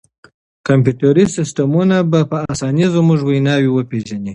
کمپیوټري سیسټمونه به په اسانۍ زموږ وینا وپېژني.